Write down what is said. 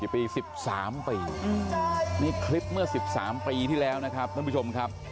ห้าคอนสิบสามบีนี่คลิปเกี้ยวสิบสามปีที่แล้วทุกผู้ชมครับ